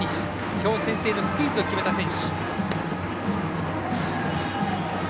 きょうは先制のスクイズを決めた選手。